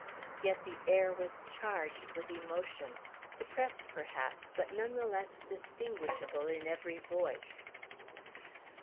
Yet the air was charged with emotion, suppressed perhaps, but none the less distinguishable in every voice.